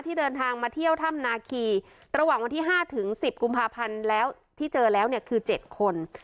ที่เดินทางมาเที่ยวท่ามนาคีระหว่างวันที่๕๑๐กุมภาพันธ์ที่เจอแล้วคือ๗คน